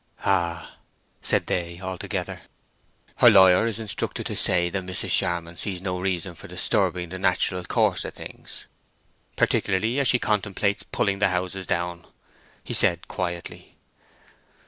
"Ah!" said they altogether. "Her lawyer is instructed to say that Mrs. Charmond sees no reason for disturbing the natural course of things, particularly as she contemplates pulling the houses down," he said, quietly.